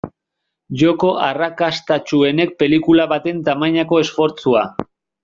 Joko arrakastatsuenek pelikula baten tamainako esfortzua.